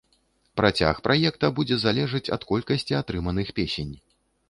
Працяг праекта будзе залежаць ад колькасці атрыманых песень.